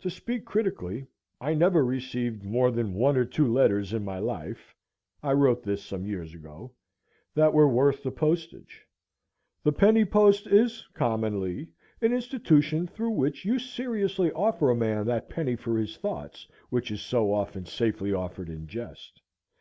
To speak critically, I never received more than one or two letters in my life—I wrote this some years ago—that were worth the postage. The penny post is, commonly, an institution through which you seriously offer a man that penny for his thoughts which is so often safely offered in jest.